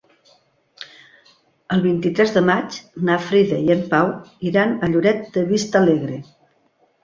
El vint-i-tres de maig na Frida i en Pau iran a Lloret de Vistalegre.